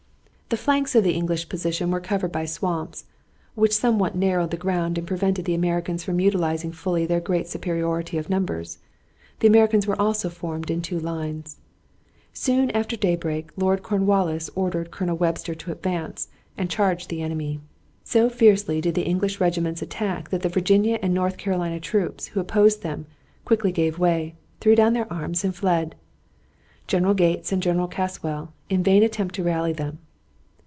The flanks of the English position were covered by swamps, which somewhat narrowed the ground and prevented the Americans from utilizing fully their great superiority of numbers. The Americans were also formed in two lines. Soon after daybreak Lord Cornwallis ordered Colonel Webster to advance and charge the enemy. So fiercely did the English regiments attack that the Virginia and North Carolina troops who opposed them quickly gave way, threw down their arms, and fled. General Gates and General Casswell in vain attempted to rally them.